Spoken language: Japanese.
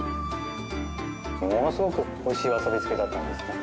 ものすごくおいしいわさび漬けだったんですね。